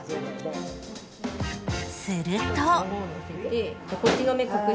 すると。